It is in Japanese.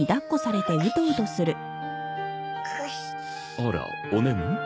あらおねむ？